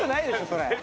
それ。